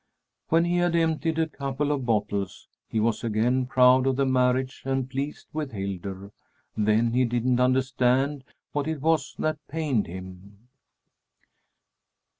When he had emptied a couple of bottles, he was again proud of the marriage and pleased with Hildur. Then he didn't understand what it was that pained him.